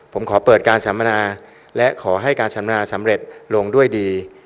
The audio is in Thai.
ผมขอเปิดการสัมมนาและขอให้การสัมนาสำเร็จลงด้วยดี